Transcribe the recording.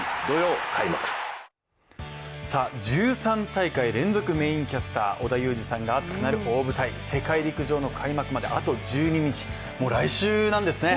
ＪＴ１３大会連続メーンキャスター、織田裕二さんが熱くなる大舞台、世界陸上の開幕まであと１２日、もう来週なんですね。